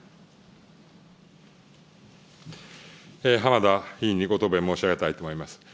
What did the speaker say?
浜田議員にご答弁申し上げたいと思います。